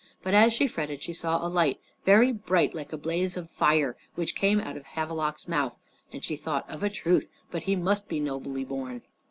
But as she fretted she saw a light, very bright like a blaze of fire, which came out of Havelok's mouth. And she thought, "Of a truth but he must be nobly born."